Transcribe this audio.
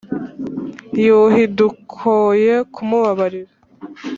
Yuhi dukwoye kumubabarira